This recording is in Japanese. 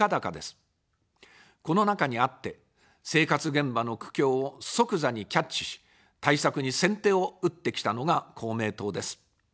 この中にあって、生活現場の苦境を即座にキャッチし、対策に先手を打ってきたのが公明党です。